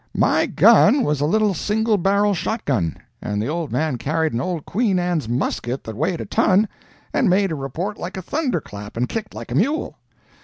My gun was a little single barrel shotgun, and the old man carried an old Queen Anne's musket that weighed a ton and made a report like a thunderclap, and kicked like a mule.